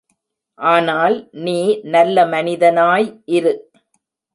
ஆனால் நீ நல்ல மனிதனாய் இரு.